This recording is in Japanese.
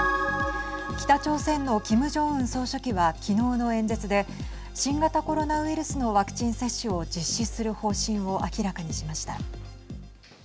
北朝鮮のキム・ジョンウン総書記は昨日の演説で新型コロナウイルスのワクチン接種を実施する方針を明らかにしました。